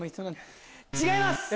違います。